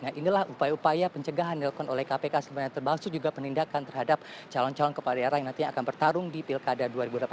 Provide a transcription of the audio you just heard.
nah inilah upaya upaya pencegahan dilakukan oleh kpk sebenarnya terbalsu juga penindakan terhadap calon calon kepala daerah yang nantinya akan bertarung di pilkada dua ribu delapan belas